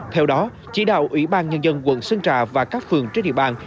theo đó chỉ đạo ủy ban nhân dân quận sơn trà và các phường trên địa bàn